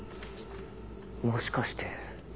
もしかして。